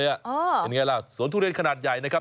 เป็นไงล่ะสวนทุเรียนขนาดใหญ่นะครับ